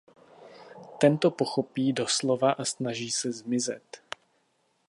Ten to pochopí doslova a snaží se zmizet.